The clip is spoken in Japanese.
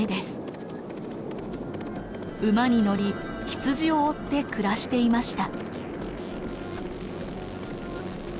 馬に乗り羊を追って暮らしていました。